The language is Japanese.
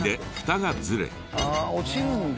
ああ落ちるんだ。